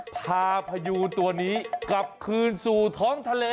พาพยูตัวนี้กลับคืนสู่ท้องทะเล